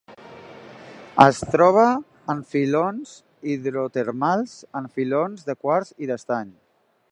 Es troba en filons hidrotermals, en filons de quars i d'estany.